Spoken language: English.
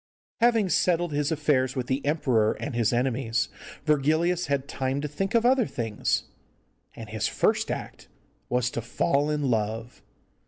Having settled his affairs with the emperor and his enemies, Virgilius had time to think of other things, and his first act was to fall in love!